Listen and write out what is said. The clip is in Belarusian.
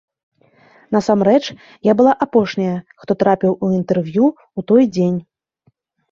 Насамрэч, я была апошняя, хто трапіў на інтэрв'ю ў той дзень.